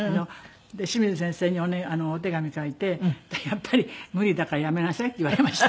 清水先生にお手紙書いてやっぱり無理だからやめなさいって言われました。